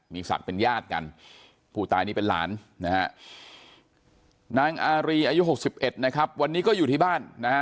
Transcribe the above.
มีศักดิ์เป็นญาติกันผู้ตายนี่เป็นหลานนะฮะนางอารีอายุ๖๑นะครับวันนี้ก็อยู่ที่บ้านนะฮะ